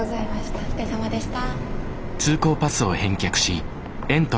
お疲れさまでした。